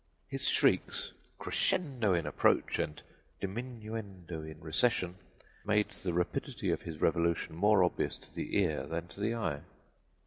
His shrieks, crescendo in approach and diminuendo in recession, made the rapidity of his revolution more obvious to the ear than to the eye.